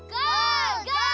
ゴー！